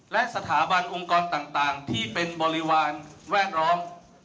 และสถาบันองค์กรต่างที่เป็นบริวารแวดล้อม